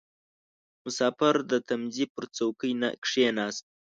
• مسافر د تمځي پر څوکۍ کښېناست.